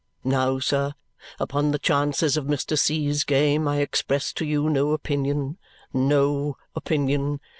Now, sir, upon the chances of Mr. C.'s game I express to you no opinion, NO opinion.